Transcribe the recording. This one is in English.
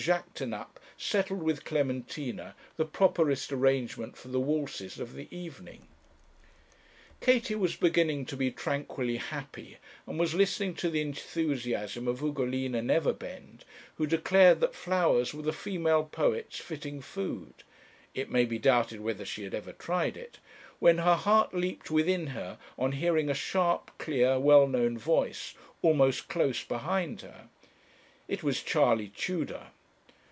Jaquêtanàpe settled with Clementina the properest arrangement for the waltzes of the evening. Katie was beginning to be tranquilly happy, and was listening to the enthusiasm of Ugolina Neverbend, who declared that flowers were the female poet's fitting food it may be doubted whether she had ever tried it when her heart leaped within her on hearing a sharp, clear, well known voice, almost close behind her. It was Charley Tudor.